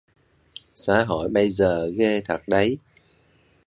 Xã hội bây giờ ghê thật đấy